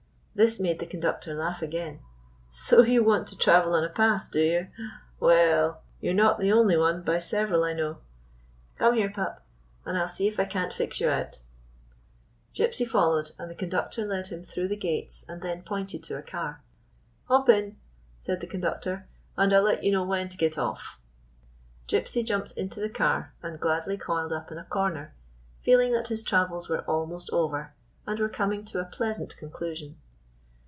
This made the conductor laugh again. "So you want to travel on a pass, do you? Well, you he not the only one, by several I know. Come here, pup, and I dl see if I can't fix you out." *75 GYPSY, TIIE TALKING DOG Gypsy followed, and tlie conductor led liim through the gates, and then pointed to a car. " Hop in," said the conductor, "and I 'll let you know when to get off." Gypsy jumped into the car, and gladly coiled up in a corner, feeling that his travels were almost over and were coming to a pleasant con clusion.